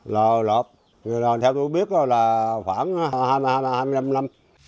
lờ lợp theo tôi biết là khoảng hai mươi năm năm